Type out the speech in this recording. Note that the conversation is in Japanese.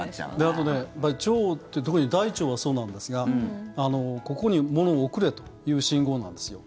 あと腸って特に大腸はそうなんですがここにものを送れという信号なんですよ。